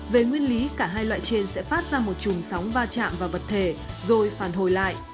về nguyên lý cả hai loại trên sẽ phát ra một chùm sóng va chạm vào vật thể rồi phản hồi lại